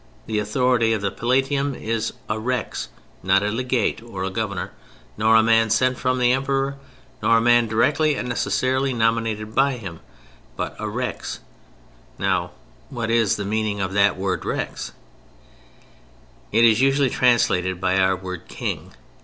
The authority of the Palatium is a Rex; not a Legate nor a Governor, nor a man sent from the Emperor, nor a man directly and necessarily nominated by him, but a Rex. Now what is the meaning of that word Rex? It is usually translated by our word "King."